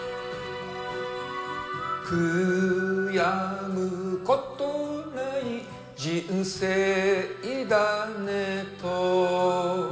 「悔やむことない人生だねと」